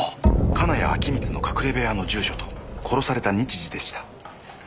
金谷陽充の隠れ部屋の住所と殺された日時でした。